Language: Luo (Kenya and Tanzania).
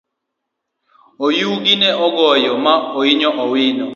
Oyugi ne ogoyo ma oinyo awino.